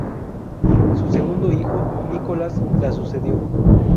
Su segundo hijo, Nicolás, la sucedió.